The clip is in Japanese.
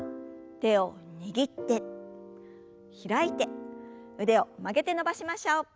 手を握って開いて腕を曲げて伸ばしましょう。